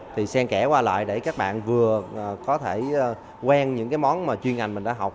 thì sen kẻ qua lại để các bạn vừa có thể quen những cái món mà chuyên ngành mình đã học